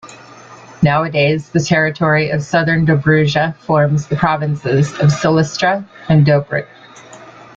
Nowadays, the territory of Southern Dobruja forms the provinces of Silistra and Dobrich.